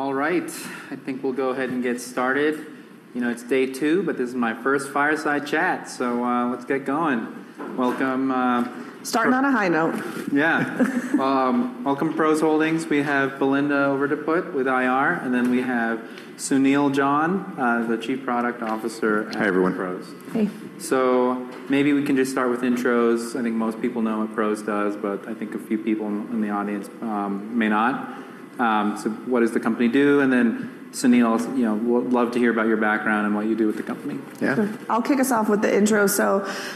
All right. I think we'll go ahead and get started. You know, it's day two, but this is my first fireside chat, so, let's get going. Welcome. Starting on a high note. Yeah. Welcome, PROS Holdings. We have Belinda Overdeput with IR, and then we have Sunil John, the Chief Product Officer at PROS. Hi, everyone. Hey. So maybe we can just start with intros. I think most people know what PROS does, but I think a few people in the audience may not. So what does the company do? And then, Sunil, you know, we'd love to hear about your background and what you do with the company. Yeah. I'll kick us off with the intro.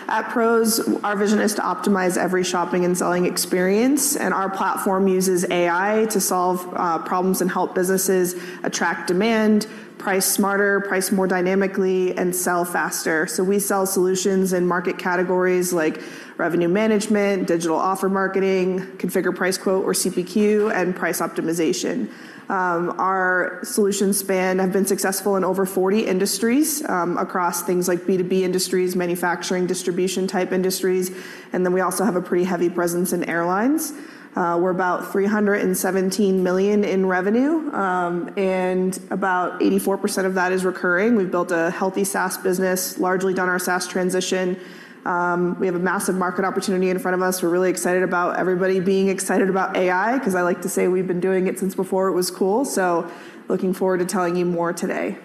At PROS, our vision is to optimize every shopping and selling experience, and our platform uses AI to solve, problems and help businesses attract demand, price smarter, price more dynamically, and sell faster. We sell solutions in market categories like revenue management, digital offer marketing, configure price quote, or CPQ, and price optimization. Our solution span have been successful in over 40 industries, across things like B2B industries, manufacturing, distribution-type industries, and then we also have a pretty heavy presence in airlines. We're about $317 million in revenue, and about 84% of that is recurring. We've built a healthy SaaS business, largely done our SaaS transition. We have a massive market opportunity in front of us. We're really excited about everybody being excited about AI, 'cause I like to say we've been doing it since before it was cool, so looking forward to telling you more today.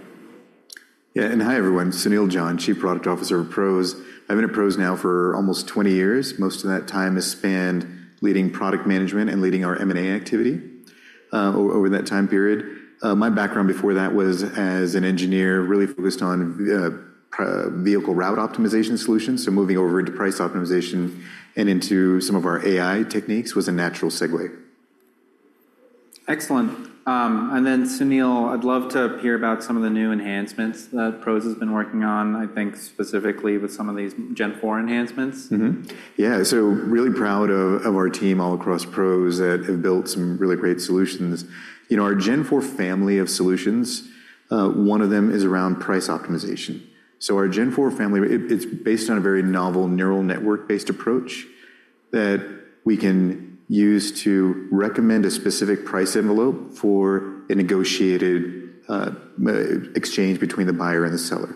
Yeah, and hi, everyone. Sunil John, Chief Product Officer of PROS. I've been at PROS now for almost 20 years. Most of that time is spanned leading product management and leading our M&A activity, over that time period. My background before that was as an engineer, really focused on, vehicle route optimization solutions. So moving over into price optimization and into some of our AI techniques was a natural segue. Excellent. And then, Sunil, I'd love to hear about some of the new enhancements that PROS has been working on, I think specifically with some of these Gen IV enhancements. Mm-hmm. Yeah, so really proud of our team all across PROS that have built some really great solutions. You know, our Gen IV family of solutions, one of them is around price optimization. So our Gen IV family, it's based on a very novel neural network-based approach that we can use to recommend a specific price envelope for a negotiated exchange between the buyer and the seller.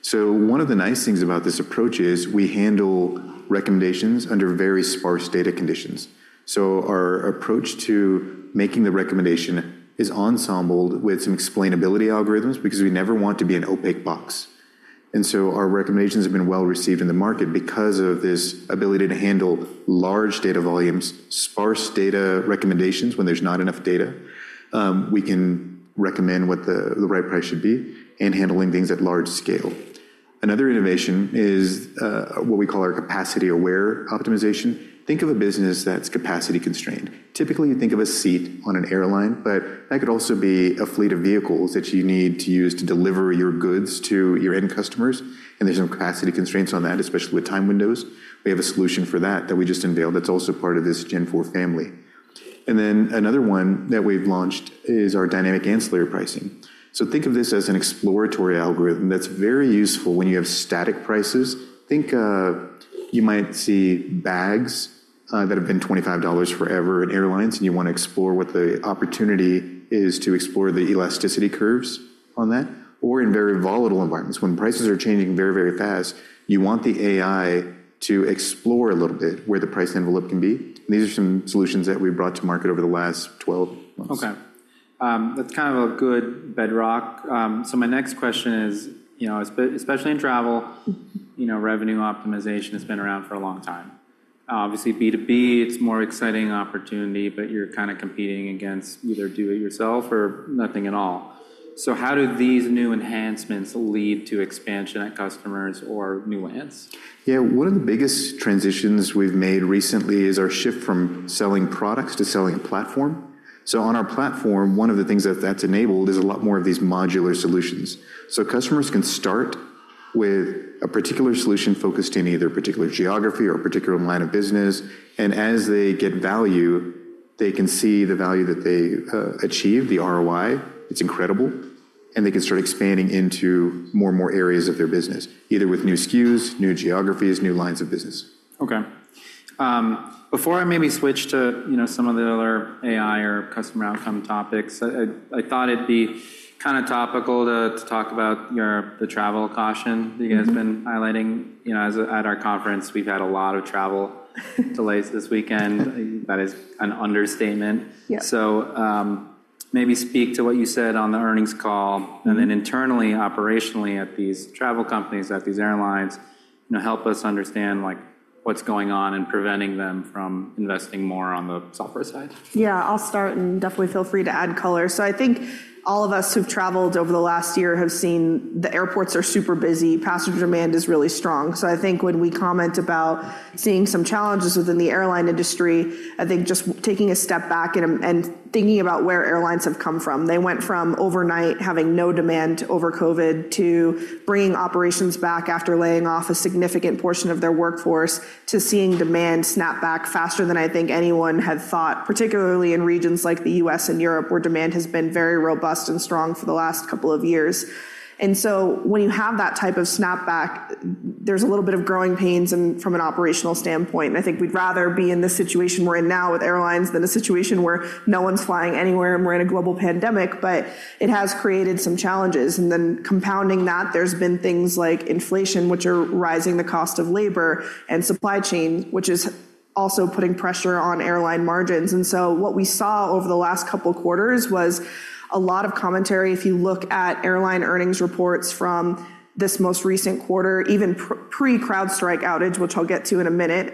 So one of the nice things about this approach is we handle recommendations under very sparse data conditions. So our approach to making the recommendation is ensembled with some explainability algorithms because we never want to be an opaque box. And so our recommendations have been well received in the market because of this ability to handle large data volumes, sparse data recommendations when there's not enough data. We can recommend what the right price should be and handling things at large scale. Another innovation is what we call our Capacity-Aware Optimization. Think of a business that's capacity constrained. Typically, you think of a seat on an airline, but that could also be a fleet of vehicles that you need to use to deliver your goods to your end customers, and there's some capacity constraints on that, especially with time windows. We have a solution for that that we just unveiled that's also part of this Gen IV family. And then another one that we've launched is our Dynamic Ancillary Pricing. So think of this as an exploratory algorithm that's very useful when you have static prices. Think, you might see bags that have been $25 forever in airlines, and you want to explore what the opportunity is to explore the elasticity curves on that. Or in very volatile environments, when prices are changing very, very fast, you want the AI to explore a little bit where the price envelope can be. These are some solutions that we've brought to market over the last 12 months. Okay. That's kind of a good bedrock. So my next question is, you know, especially in travel, you know, revenue optimization has been around for a long time. Obviously, B2B, it's a more exciting opportunity, but you're kind of competing against either do-it-yourself or nothing at all. So how do these new enhancements lead to expansion at customers or new wins? Yeah, one of the biggest transitions we've made recently is our shift from selling products to selling a platform. So on our platform, one of the things that that's enabled is a lot more of these modular solutions. So customers can start with a particular solution focused in either a particular geography or a particular line of business, and as they get value, they can see the value that they achieve, the ROI. It's incredible, and they can start expanding into more and more areas of their business, either with new SKUs, new geographies, new lines of business. Okay. Before I maybe switch to, you know, some of the other AI or customer outcome topics, I thought it'd be kind of topical to talk about your, the travel caution. Mm-hmm That you guys have been highlighting. You know, as at our conference, we've had a lot of travel delays this weekend. That is an understatement. Yeah. So, maybe speak to what you said on the earnings call, and then internally, operationally, at these travel companies, at these airlines, you know, help us understand, like, what's going on and preventing them from investing more on the software side? Yeah, I'll start, and definitely feel free to add color. So I think all of us who've traveled over the last year have seen the airports are super busy. Passenger demand is really strong. So I think when we comment about seeing some challenges within the airline industry, I think just taking a step back and thinking about where airlines have come from. They went from overnight having no demand over COVID, to bringing operations back after laying off a significant portion of their workforce, to seeing demand snap back faster than I think anyone had thought, particularly in regions like the U.S. and Europe, where demand has been very robust and strong for the last couple of years. So when you have that type of snapback, there's a little bit of growing pains from an operational standpoint, and I think we'd rather be in the situation we're in now with airlines than a situation where no one's flying anywhere, and we're in a global pandemic, but it has created some challenges. Then compounding that, there's been things like inflation, which are rising the cost of labor, and supply chain, which is also putting pressure on airline margins. So what we saw over the last couple of quarters was a lot of commentary. If you look at airline earnings reports from this most recent quarter, even pre-CrowdStrike outage, which I'll get to in a minute,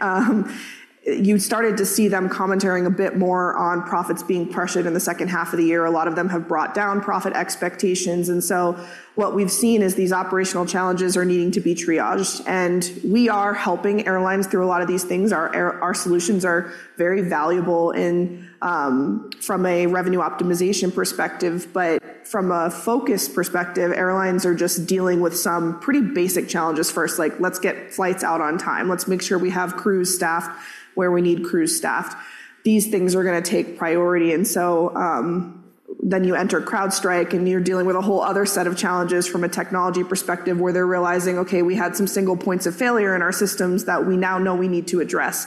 you started to see the commentary a bit more on profits being pressured in the second half of the year. A lot of them have brought down profit expectations, and so what we've seen is these operational challenges are needing to be triaged, and we are helping airlines through a lot of these things. Our solutions are very valuable in, from a revenue optimization perspective, but from a focus perspective, airlines are just dealing with some pretty basic challenges first, like, let's get flights out on time. Let's make sure we have crew staffed where we need crew staffed. These things are gonna take priority. And so, then you enter CrowdStrike, and you're dealing with a whole other set of challenges from a technology perspective, where they're realizing, okay, we had some single points of failure in our systems that we now know we need to address.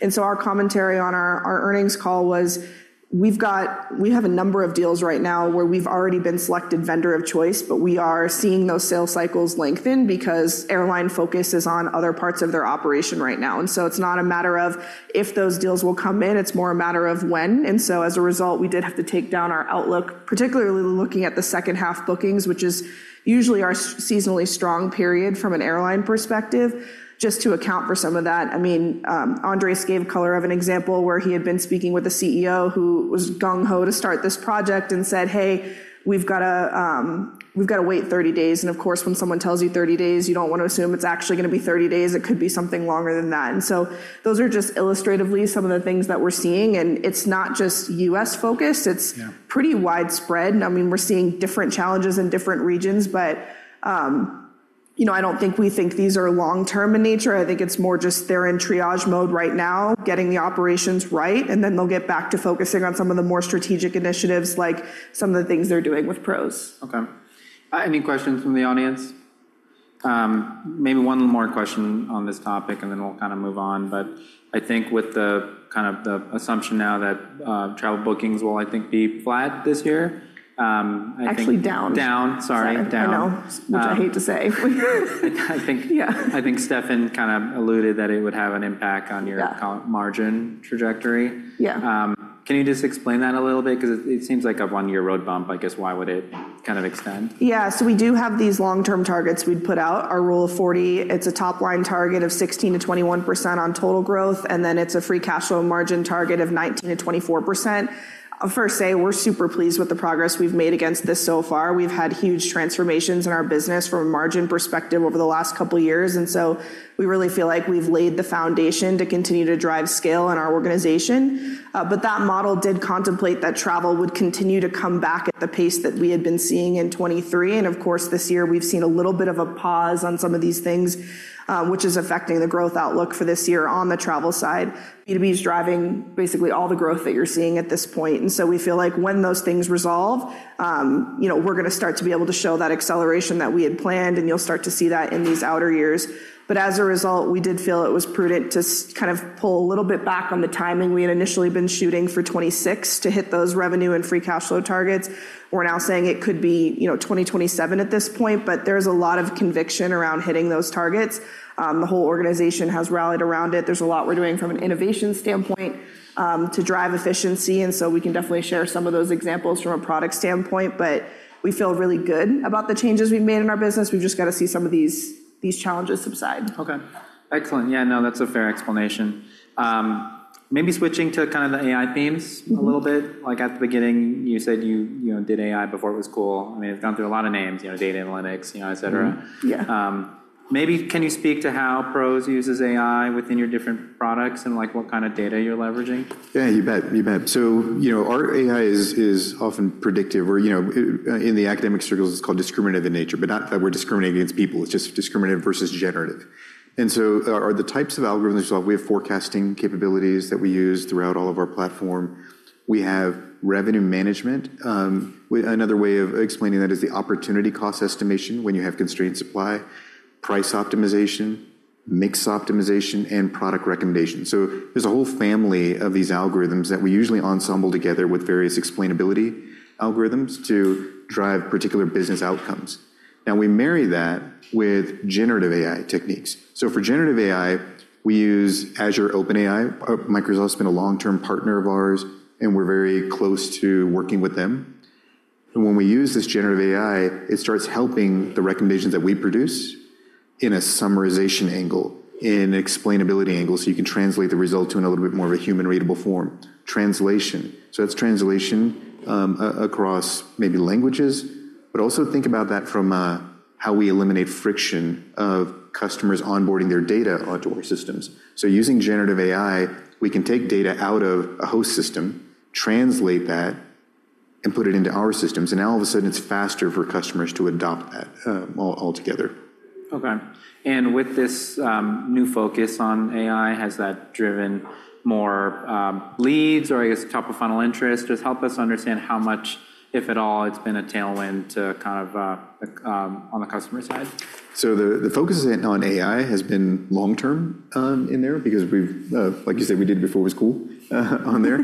And so our commentary on our earnings call was, we have a number of deals right now where we've already been selected vendor of choice, but we are seeing those sales cycles lengthen because airline focus is on other parts of their operation right now. And so it's not a matter of if those deals will come in, it's more a matter of when. And so as a result, we did have to take down our outlook, particularly looking at the second-half bookings, which is usually our seasonally strong period from an airline perspective, just to account for some of that. I mean, Andres gave color of an example where he had been speaking with a CEO who was gung ho to start this project and said, "Hey, we've gotta, we've gotta wait 30 days." And of course, when someone tells you 30 days, you don't want to assume it's actually gonna be 30 days. It could be something longer than that. And so those are just illustratively some of the things that we're seeing, and it's not just U.S.-focused. Yeah. It's pretty widespread, and, I mean, we're seeing different challenges in different regions, but, you know, I don't think we think these are long-term in nature. I think it's more just they're in triage mode right now, getting the operations right, and then they'll get back to focusing on some of the more strategic initiatives, like some of the things they're doing with PROS. Okay. Any questions from the audience? Maybe one more question on this topic, and then we'll kind of move on. But I think with the, kind of the assumption now that, travel bookings will, I think, be flat this year, I think. Actually, down. Down, sorry. Sorry. Down. I know, which I hate to say. I think. Yeah. I think Stefan kind of alluded that it would have an impact on your. Yeah Margin trajectory. Yeah. Can you just explain that a little bit? 'Cause it seems like a one-year road bump. I guess, why would it kind of extend? Yeah. So we do have these long-term targets we'd put out. Our Rule of 40, it's a top-line target of 16%-21% on total growth, and then it's a Free Cash Flow margin target of 19%-24%. I'll first say, we're super pleased with the progress we've made against this so far. We've had huge transformations in our business from a margin perspective over the last couple of years, and so we really feel like we've laid the foundation to continue to drive scale in our organization. But that model did contemplate that travel would continue to come back at the pace that we had been seeing in 2023, and of course, this year we've seen a little bit of a pause on some of these things, which is affecting the growth outlook for this year on the travel side. B2B is driving basically all the growth that you're seeing at this point, and so we feel like when those things resolve, you know, we're gonna start to be able to show that acceleration that we had planned, and you'll start to see that in these outer years. But as a result, we did feel it was prudent to kind of pull a little bit back on the timing. We had initially been shooting for 2026 to hit those revenue and free cash flow targets. We're now saying it could be, you know, 2027 at this point, but there's a lot of conviction around hitting those targets. The whole organization has rallied around it. There's a lot we're doing from an innovation standpoint, to drive efficiency, and so we can definitely share some of those examples from a product standpoint, but we feel really good about the changes we've made in our business. We've just got to see some of these challenges subside. Okay, excellent. Yeah, no, that's a fair explanation. Maybe switching to kind of the AI themes. Mm-hmm A little bit. Like, at the beginning, you said you, you know, did AI before it was cool. I mean, it's gone through a lot of names, you know, data analytics, you know, et cetera. Mm-hmm. Yeah. Maybe, can you speak to how PROS uses AI within your different products and, like, what kind of data you're leveraging? Yeah, you bet. You bet. So, you know, our AI is often predictive, or, you know, in the academic circles, it's called discriminative in nature, but not that we're discriminating against people. It's just discriminative versus generative. And so, the types of algorithms, so we have forecasting capabilities that we use throughout all of our platform. We have revenue management. Another way of explaining that is the opportunity cost estimation when you have constrained supply, price optimization, mix optimization, and product recommendation. So there's a whole family of these algorithms that we usually ensemble together with various explainability algorithms to drive particular business outcomes. Now, we marry that with generative AI techniques. So for generative AI, we use Azure OpenAI. Microsoft's been a long-term partner of ours, and we're very close to working with them. And when we use this generative AI, it starts helping the recommendations that we produce in a summarization angle, in explainability angle, so you can translate the result to a little bit more of a human-readable form. Translation, so that's translation, across maybe languages, but also think about that from how we eliminate friction of customers onboarding their data onto our systems. So using generative AI, we can take data out of a host system, translate that, and put it into our systems, and now all of a sudden, it's faster for customers to adopt that altogether. Okay. And with this new focus on AI, has that driven more leads or, I guess, top-of-funnel interest? Just help us understand how much, if at all, it's been a tailwind to kind of on the customer side. So the focus on AI has been long term in there because we've, like you said, we did before it was cool, on there.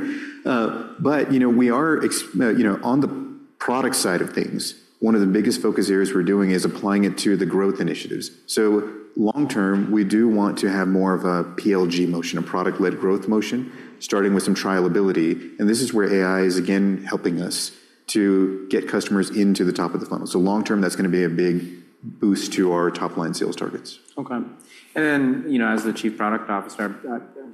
But, you know, on the product side of things, one of the biggest focus areas we're doing is applying it to the growth initiatives. So long term, we do want to have more of a PLG motion, a product-led growth motion, starting with some triability, and this is where AI is, again, helping us to get customers into the top of the funnel. So long term, that's going to be a big boost to our top-line sales targets. Okay. And then, you know, as the Chief Product Officer,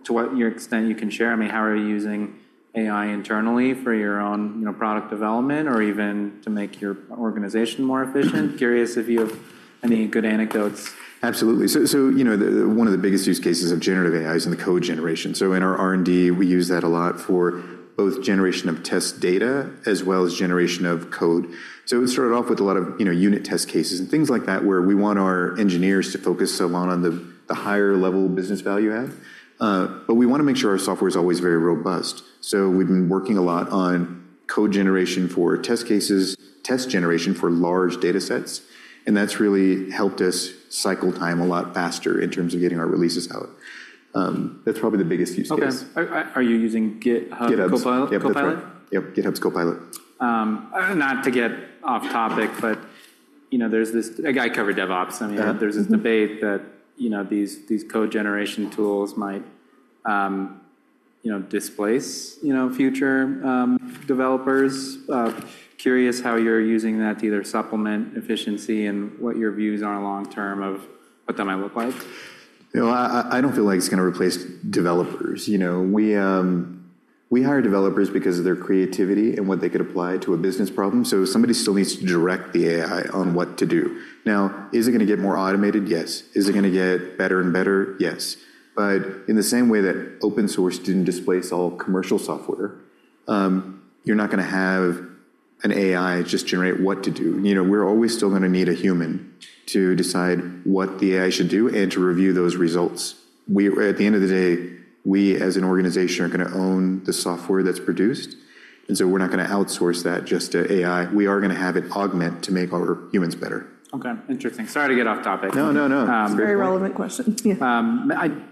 to what extent you can share, I mean, how are you using AI internally for your own, you know, product development or even to make your organization more efficient? Curious if you have any good anecdotes. Absolutely. So, you know, the one of the biggest use cases of Generative AI is in the code generation. So in our R&D, we use that a lot for both generation of test data as well as generation of code. So we started off with a lot of, you know, unit test cases and things like that, where we want our engineers to focus on the higher level business value add. But we want to make sure our software is always very robust, so we've been working a lot on code generation for test cases, test generation for large datasets, and that's really helped us cycle time a lot faster in terms of getting our releases out. That's probably the biggest use case. Okay. Are you using GitHub. GitHub's Copilot? Copilot. Yep, GitHub's Copilot. Not to get off topic, but, you know, there's this, I cover DevOps. Yeah. I mean, there's this debate that, you know, these code generation tools might, you know, displace, you know, future developers. Curious how you're using that to either supplement efficiency and what your views are long term of what that might look like. You know, I don't feel like it's going to replace developers. You know, we hire developers because of their creativity and what they could apply to a business problem, so somebody still needs to direct the AI on what to do. Now, is it going to get more automated? Yes. Is it going to get better and better? Yes. But in the same way that open source didn't displace all commercial software, you're not going to have an AI just generate what to do. You know, we're always still going to need a human to decide what the AI should do and to review those results. At the end of the day, we, as an organization, are going to own the software that's produced, and so we're not going to outsource that just to AI. We are going to have it augment to make our humans better. Okay, interesting. Sorry to get off topic. No, no, no. Very relevant question. Yeah.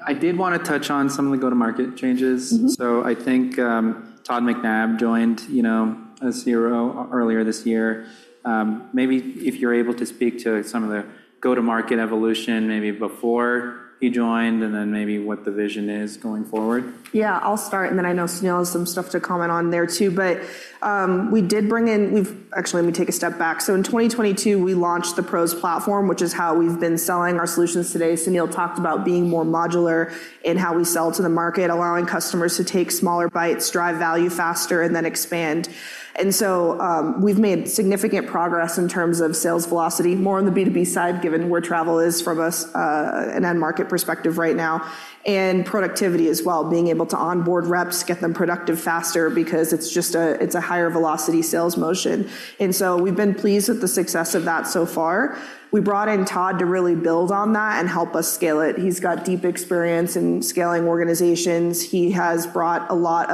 I did want to touch on some of the go-to-market changes. Mm-hmm. I think, Todd McNabb joined, you know, as CRO earlier this year. Maybe if you're able to speak to some of the go-to-market evolution, maybe before he joined, and then maybe what the vision is going forward. Yeah, I'll start, and then I know Sunil has some stuff to comment on there, too. But, we did bring in. Actually, let me take a step back. So in 2022, we launched the PROS Platform, which is how we've been selling our solutions today. Sunil talked about being more modular in how we sell to the market, allowing customers to take smaller bites, drive value faster, and then expand. And so, we've made significant progress in terms of sales velocity, more on the B2B side, given where travel is from an end market perspective right now, and productivity as well, being able to onboard reps, get them productive faster because it's just a higher velocity sales motion. And so we've been pleased with the success of that so far. We brought in Todd to really build on that and help us scale it. He's got deep experience in scaling organizations. He has brought a lot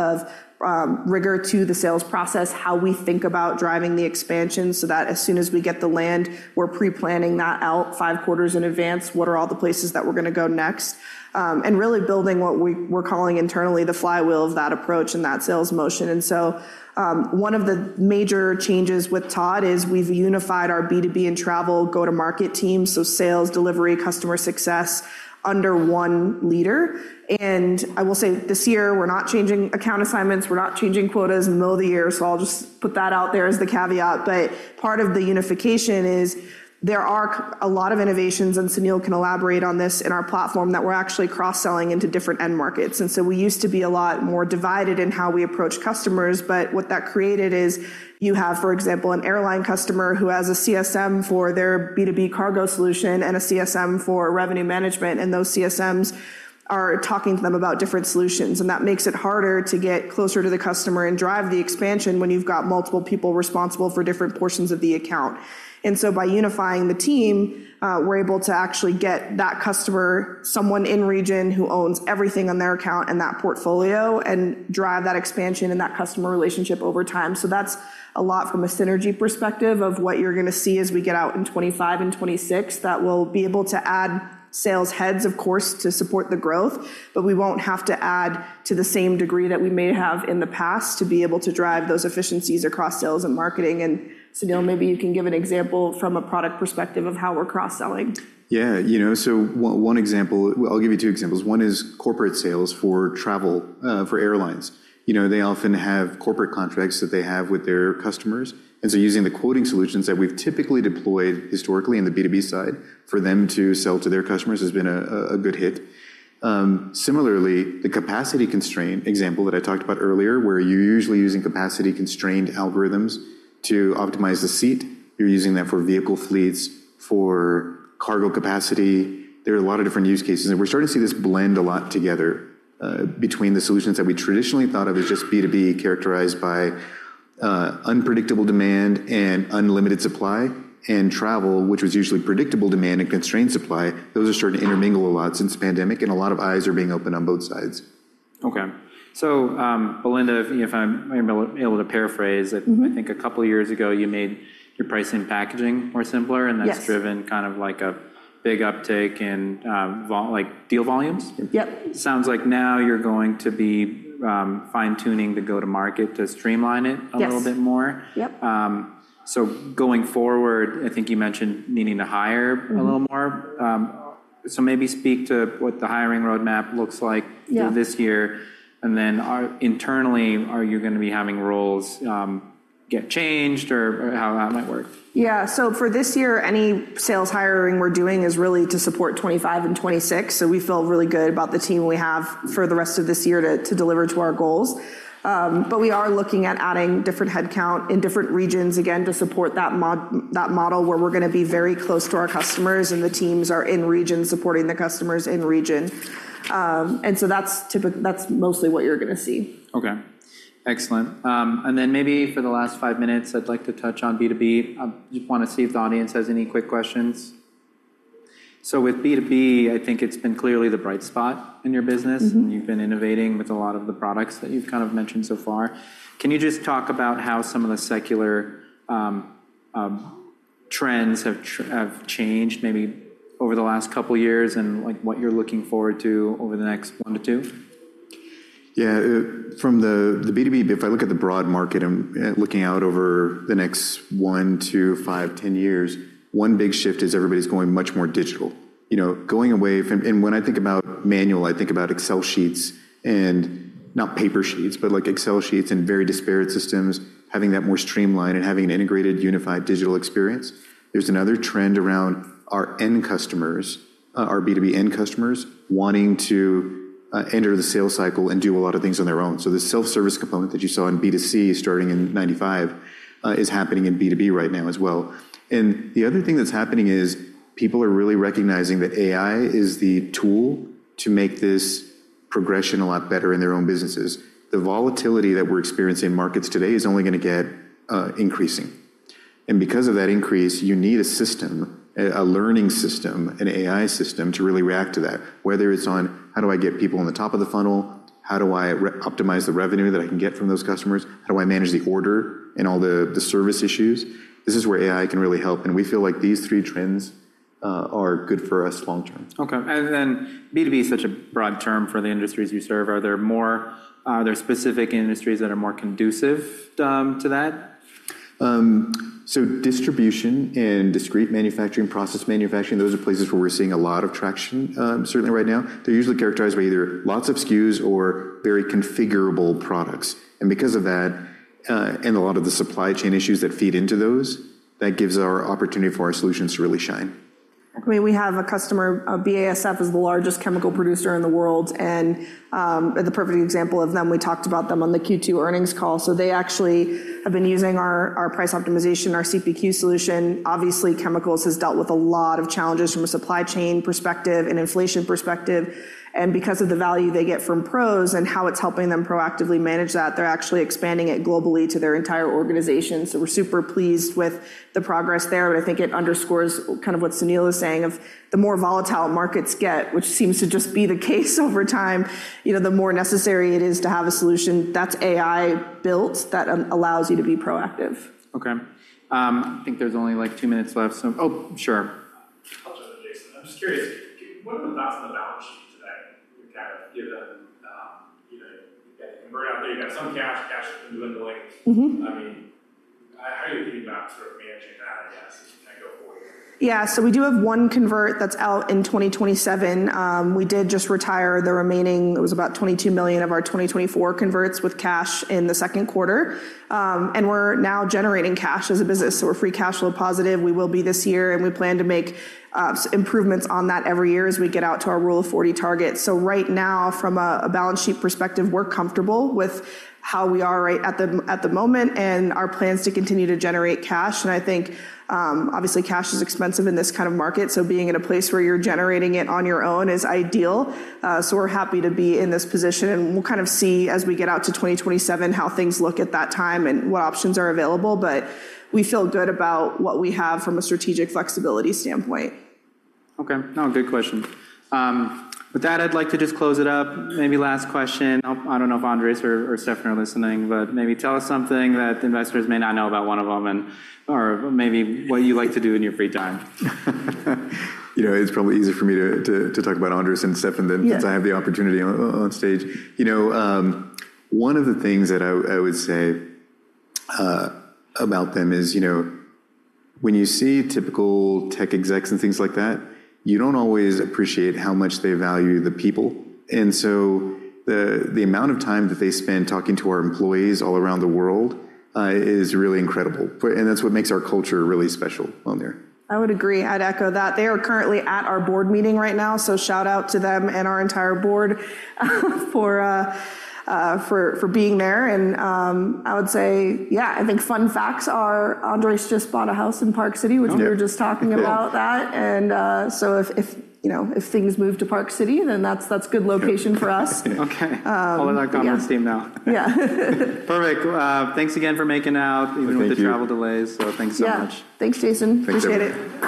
of rigor to the sales process, how we think about driving the expansion, so that as soon as we get the land, we're pre-planning that out five quarters in advance. What are all the places that we're going to go next? And really building what we're calling internally, the flywheel of that approach and that sales motion. And so, one of the major changes with Todd is we've unified our B2B and travel go-to-market team, so sales, delivery, customer success, under one leader. And I will say, this year, we're not changing account assignments, we're not changing quotas in the middle of the year, so I'll just put that out there as the caveat. But part of the unification is there are a lot of innovations, and Sunil can elaborate on this, in our platform that we're actually cross-selling into different end markets. And so we used to be a lot more divided in how we approach customers, but what that created is you have, for example, an airline customer who has a CSM for their B2B cargo solution and a CSM for revenue management, and those CSMs are talking to them about different solutions. And that makes it harder to get closer to the customer and drive the expansion when you've got multiple people responsible for different portions of the account. And so by unifying the team, we're able to actually get that customer, someone in-region, who owns everything on their account and that portfolio, and drive that expansion and that customer relationship over time. So that's a lot from a synergy perspective of what you're going to see as we get out in 2025 and 2026. That we'll be able to add sales heads, of course, to support the growth, but we won't have to add to the same degree that we may have in the past to be able to drive those efficiencies across sales and marketing. And, Sunil, maybe you can give an example from a product perspective of how we're cross-selling. Yeah, you know, so one example. Well, I'll give you two examples. One is corporate sales for travel, for airlines. You know, they often have corporate contracts that they have with their customers, and so using the quoting solutions that we've typically deployed historically in the B2B side for them to sell to their customers has been a good hit. Similarly, the capacity constraint example that I talked about earlier, where you're usually using capacity-constrained algorithms to optimize the seat, you're using that for vehicle fleets, for cargo capacity. There are a lot of different use cases, and we're starting to see this blend a lot together, between the solutions that we traditionally thought of as just B2B, characterized by unpredictable demand and unlimited supply, and travel, which was usually predictable demand and constrained supply. Those are starting to intermingle a lot since the pandemic, and a lot of eyes are being opened on both sides. Okay. So, Belinda, if I'm able to paraphrase it. Mm-hmm. I think a couple of years ago, you made your pricing packaging more simpler. Yes And that's driven kind of like a big uptake in, like, deal volumes. Yep. Sounds like now you're going to be fine-tuning the go-to-market to streamline it. Yes A little bit more. Yep. So going forward, I think you mentioned needing to hire a little more. Mm. Maybe speak to what the hiring roadmap looks like? Yeah for this year, and then, internally, are you going to be having roles get changed or how that might work? Yeah. So for this year, any sales hiring we're doing is really to support 25 and 26, so we feel really good about the team we have for the rest of this year to deliver to our goals. But we are looking at adding different headcount in different regions again to support that model, where we're going to be very close to our customers, and the teams are in region, supporting the customers in region. And so that's mostly what you're going to see. Okay, excellent. And then maybe for the last five minutes, I'd like to touch on B2B. I just want to see if the audience has any quick questions. So with B2B, I think it's been clearly the bright spot in your business. Mm-hmm. You've been innovating with a lot of the products that you've kind of mentioned so far. Can you just talk about how some of the secular trends have changed, maybe over the last couple of years, and, like, what you're looking forward to over the next one to two? Yeah, from the B2B, if I look at the broad market and looking out over the next one to five, 10 years, one big shift is everybody's going much more digital. You know, going away from. And when I think about manual, I think about Excel sheets, and not paper sheets, but, like, Excel sheets and very disparate systems, having that more streamlined and having an integrated, unified digital experience. There's another trend around our end customers, our B2B end customers, wanting to enter the sales cycle and do a lot of things on their own. So the self-service component that you saw in B2C, starting in 1995, is happening in B2B right now as well. And the other thing that's happening is, people are really recognizing that AI is the tool to make this progression a lot better in their own businesses. The volatility that we're experiencing in markets today is only going to get increasing, and because of that increase, you need a system, a learning system, an AI system, to really react to that, whether it's on, How do I get people on the top of the funnel? How do I re-optimize the revenue that I can get from those customers? How do I manage the order and all the service issues? This is where AI can really help, and we feel like these three trends are good for us long term. Okay, and then B2B is such a broad term for the industries you serve. Are there specific industries that are more conducive to that? So, distribution and discrete manufacturing, process manufacturing, those are places where we're seeing a lot of traction, certainly right now. They're usually characterized by either lots of SKUs or very configurable products, and because of that, and a lot of the supply chain issues that feed into those, that gives our opportunity for our solutions to really shine. I mean, we have a customer, BASF is the largest chemical producer in the world, and, the perfect example of them, we talked about them on the Q2 earnings call. So they actually have been using our, our price optimization, our CPQ solution. Obviously, chemicals has dealt with a lot of challenges from a supply chain perspective and inflation perspective, and because of the value they get from PROS and how it's helping them proactively manage that, they're actually expanding it globally to their entire organization. So we're super pleased with the progress there, and I think it underscores kind of what Sunil is saying, of the more volatile markets get, which seems to just be the case over time, you know, the more necessary it is to have a solution that's AI-built, that, allows you to be proactive. Okay. I think there's only, like, two minutes left, so. Oh, sure. I'll jump in, Jason. I'm just curious, what are the thoughts on the balance sheet today, kind of given, you know, you got convert out there, you got some cash, cash equivalent- Mm-hmm. I mean, how are you thinking about sort of managing that, I guess, as you kind of go forward? Yeah. So we do have one convert that's out in 2027. We did just retire the remaining, it was about $22 million of our 2024 converts with cash in the second quarter. And we're now generating cash as a business, so we're free cash flow positive. We will be this year, and we plan to make improvements on that every year as we get out to our Rule of 40 target. So right now, from a balance sheet perspective, we're comfortable with how we are right at the moment, and our plans to continue to generate cash. And I think, obviously, cash is expensive in this kind of market, so being in a place where you're generating it on your own is ideal. So we're happy to be in this position, and we'll kind of see as we get out to 2027, how things look at that time and what options are available. But we feel good about what we have from a strategic flexibility standpoint. Okay. No, good question. With that, I'd like to just close it up. Maybe last question. I don't know if Andres or, or Stefan are listening, but maybe tell us something that investors may not know about one of them and, or maybe what you like to do in your free time. You know, it's probably easier for me to talk about Andres and Stefan then. Yeah Since I have the opportunity on stage. You know, one of the things that I would, I would say, about them is, you know, when you see typical tech execs and things like that, you don't always appreciate how much they value the people. And so the, the amount of time that they spend talking to our employees all around the world, is really incredible. And that's what makes our culture really special on there. I would agree. I'd echo that. They are currently at our board meeting right now, so shout out to them and our entire board for being there. And, I would say, yeah, I think fun facts are Andres just bought a house in Park City. Oh Which we were just talking about that. Yeah. So if, you know, if things move to Park City, then that's good location for us. Okay. Um, yeah. All of that governance team now. Yeah. Perfect. Thanks again for making it out. Thank you Even with the travel delays, so thanks so much. Yeah. Thanks, Jason. Thanks, everyone. Appreciate it.